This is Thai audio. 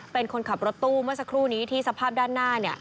เป็นคนขับรถตู้เมื่อสักครู่นี้ที่สภาพด้านหน้า